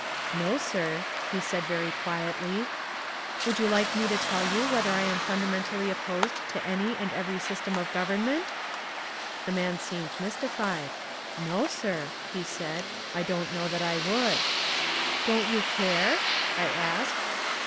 "No, sir," he said very quietly. "Would you like me to tell you whether I am fundamentally opposed to any and every system of government?" The man seemed mystified. "No, sir," he said. "I don't know that I would." "Don't you care?" I asked.